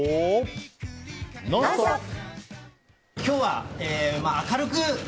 「ノンストップ！」。